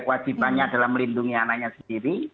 kewajibannya adalah melindungi anaknya sendiri